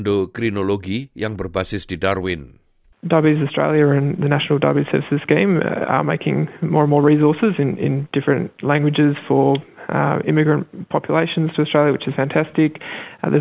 adalah kelompok yang terwakili dalam proses pengajuan mencerminkan luas dan dalamnya permasalahan ini